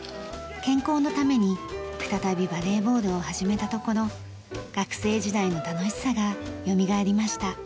健康のために再びバレーボールを始めたところ学生時代の楽しさがよみがえりました。